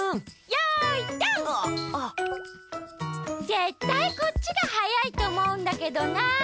ぜったいこっちがはやいとおもうんだけどな。